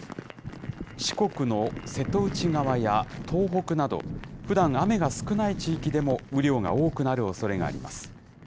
四国の瀬戸内側や東北など、ふだん雨が少ない地域でも雨量が多くなるおそれがあります。